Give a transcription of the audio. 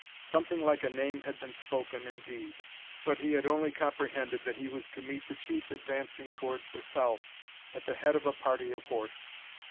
Something like a name had been spoken indeed, but he had only comprehended that he was to meet the chief advancing towards the south, at the head of a party of horse.